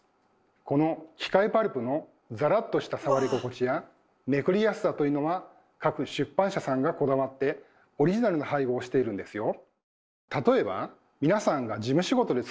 この機械パルプのざらっとした触り心地やめくりやすさというのは各出版社さんがこだわってオリジナルな配合をしているんですよ。